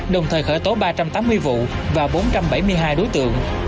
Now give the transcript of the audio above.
đồng thời khởi tố ba trăm tám mươi vụ và bốn trăm bảy mươi hai đối tượng